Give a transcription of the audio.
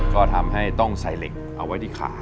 ก็ทำให้ต้องใส่เหล็กเอาไว้ที่ขา